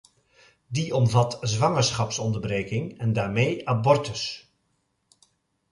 Die omvat zwangerschapsonderbreking en daarmee abortus!